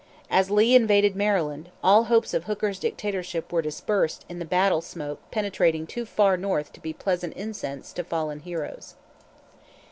As Lee invaded Maryland, all hopes of Hooker's dictatorship were dispersed in the battle smoke penetrating too far North to be pleasant incense to fallen heroes.